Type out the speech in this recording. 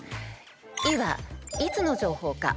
「い」は「いつ」の情報か？